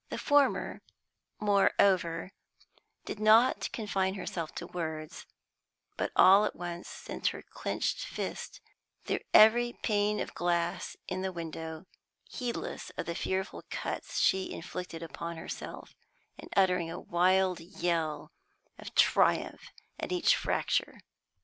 The former, moreover, did not confine herself to words, but all at once sent her clenched fist through every pain of glass in the window, heedless of the fearful cuts she inflicted upon herself, and uttering a wild yell of triumph at each fracture.